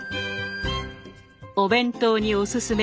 お弁当におすすめ。